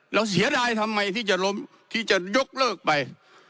เสียดายทำไมที่จะล้มที่จะยกเลิกไป